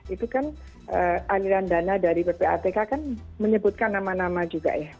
itu kan aliran dana dari ppatk kan menyebutkan nama nama juga ya